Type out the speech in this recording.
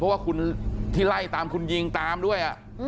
เพราะว่าคุณที่ไล่ตามคุณยิงตามด้วย